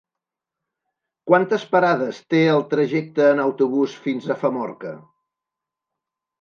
Quantes parades té el trajecte en autobús fins a Famorca?